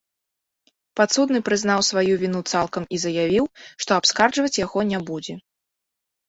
Падсудны прызнаў сваю віну цалкам і заявіў, што абскарджваць яго не будзе.